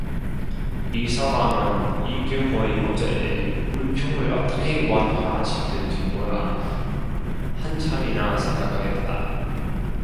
이서방은 이 경우에 모자의 불평을 어떻게 완화시킬지 몰라 한참이나 생각하였다.